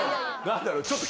何だろう？